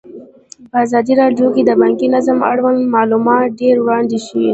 په ازادي راډیو کې د بانکي نظام اړوند معلومات ډېر وړاندې شوي.